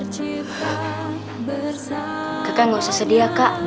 kakak jangan sedih